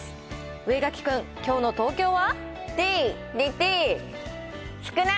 上垣君、きょうの東京は？